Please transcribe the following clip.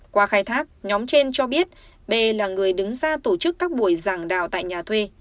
qua khai thác nhóm trên cho biết b là người đứng ra tổ chức các buổi giảng đào tại nhà thuê